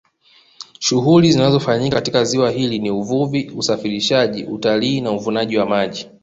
Shughuli zinazofanyika katika ziwa hili ni uvuvi usafirishaji utalii na uvunaji wa maji